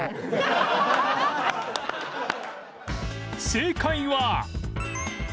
正解は